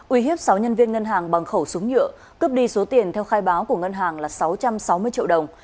uy hiếp sáu nhân viên ngân hàng bằng khẩu súng nhựa cướp đi số tiền theo khai báo của ngân hàng là sáu trăm sáu mươi triệu đồng